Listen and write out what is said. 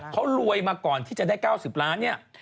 เขารวยมาก่อนที่จะได้๙๐ล้านเนี่ย